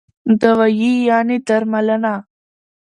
دوايي √ درملنه